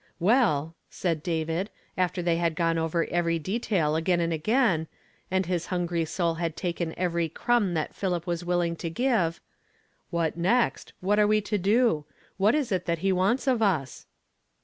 "Well," David said, after they had gone over every detail again and again, and his hungry soul had taken every crumb that Philip was willing to give, "what next? What are we to do? What is it that he wants of us